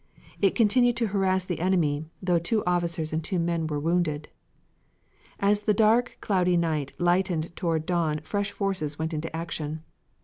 It continued to harass the enemy, though two officers and two men were wounded. As the dark, cloudy night lightened toward dawn fresh forces went into action.